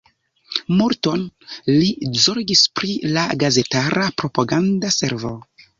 Multon li zorgis pri la gazetara propaganda servo.